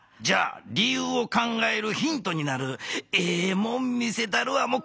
じゃありゆうを考えるヒントになるええもん見せたるわ。